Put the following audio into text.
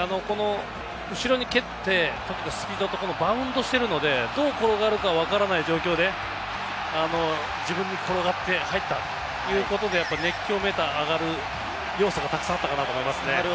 後ろに蹴って、スピードとバウンドしてるので、どう転がるかわからない状況で自分に転がって入ったということで、熱狂メーターが上がる要素がたくさんあったかなと思いますね。